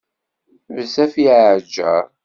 Bezzaf i iɛǧǧer.